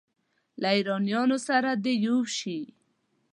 له ایرانیانو سره دې یو شي.